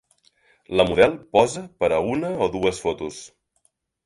La model posa per a una o dues fotos.